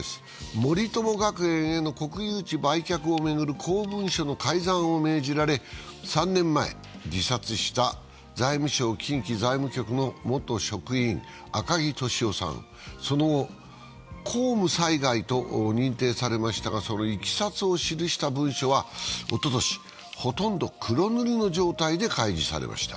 森友学園への公有地売却を巡る公文書の改ざんを命じられ３年前自殺した財務省近畿財務局の元職員赤木俊夫さん、その後公務災害と認定されましたが、そのいきさつを記した文書はおととし、ほとんど黒塗りの状態で開示されました。